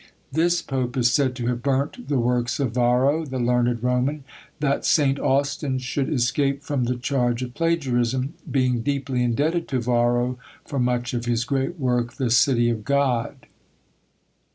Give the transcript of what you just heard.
This pope is said to have burnt the works of Varro, the learned Roman, that Saint Austin should escape from the charge of plagiarism, being deeply indebted to Varro for much of his great work "the City of God."